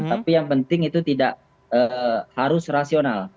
tapi yang penting itu tidak harus rasional